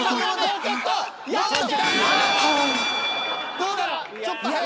どうだろ？